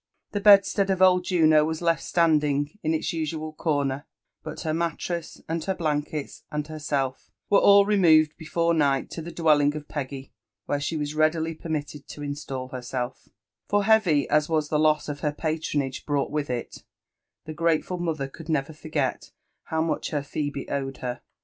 The bedstead of old Juno was left standing in its usual corner ; but her mattress and her blankets, and herself, were all removed before night to the dwelling of Peggy, where she waa readily permitted to install herself ; for heavy as was the loss her pa tronage brought with it, the grateful mother could never forget how much her Phebe owed her.